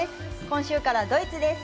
今週からドイツです。